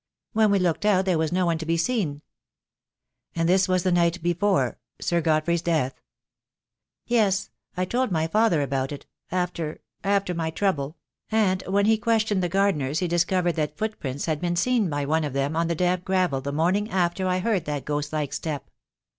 When we looked out there was no one to be seen." "And this was the night before — Sir Godfrey's death? " "Yes. I told my father about it — after — after my trouble; and when he questioned the gardeners he dis covered that footprints had been seen by one of them on the damp gravel the morning after I heard that ghost like step.